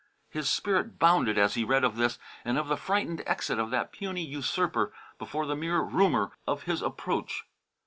His spirit bounded as he read of this and of the frightened exit of that puny usurper before the mere rumour of his approach.